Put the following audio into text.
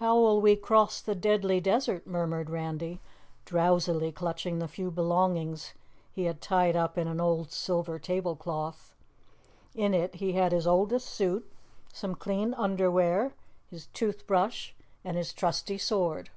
"How'll we cross the Deadly Desert?" murmured Randy, drowsily clutching the few belongings he had tied up in an old silver table cloth. In it he had his oldest suit, some clean underwear, his tooth brush and his trusty sword.